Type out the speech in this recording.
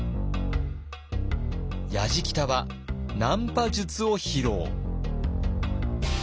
やじきたはナンパ術を披露。